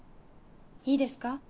いいですか？